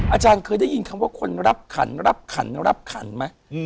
อาจารย์เคยได้ยินคำว่าคนรับขันรับขันรับขันไหม